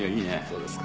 そうですか。